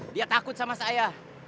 dia takut sama saya